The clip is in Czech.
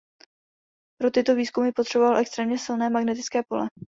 Pro tyto výzkumy potřeboval extrémně silné magnetické pole.